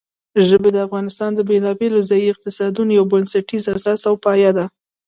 ژبې د افغانستان د بېلابېلو ځایي اقتصادونو یو بنسټیزه اساس او پایایه ده.